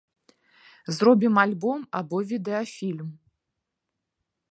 Зробім альбом або відэафільм.